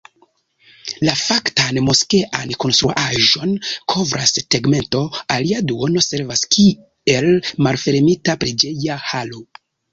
La faktan moskean konstruaĵon kovras tegmento, alia duono servas kiel malfermita preĝeja halo.